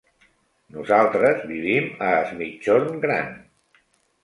Nosaltres vivim a Es Migjorn Gran.